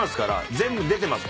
全部に出てます。